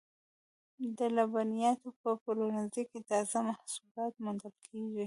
د لبنیاتو په پلورنځیو کې تازه محصولات موندل کیږي.